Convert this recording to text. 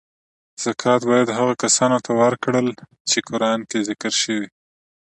زکات باید هغو کسانو ته ورکړل چی قران کې ذکر شوی .